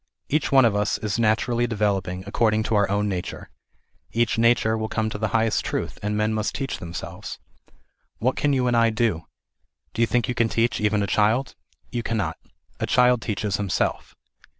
Each one of us is natur ally developing according to our own nature ; each nature will come to the highest truth, and men must teach them 314 THE IDEAL OF A UNIVERSAL RELIGION. selves. What can you and I do ? Do you think you can teach even a child ? You cannot. A child teaches himself.